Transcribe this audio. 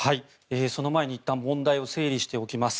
その前にいったん問題を整理しておきます。